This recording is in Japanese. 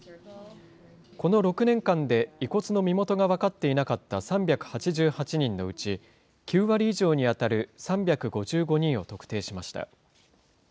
この６年間で遺骨の身元が分かっていなかった３８８人のうち、９割以上に当たる３５５人を特定しました。